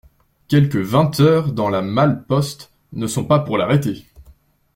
Quelque vingt heures dans la malle-poste ne sont pas pour l'arrêter.